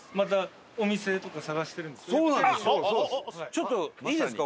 ちょっといいですか？